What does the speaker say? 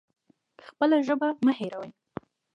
خپله ژبه مه هیروئ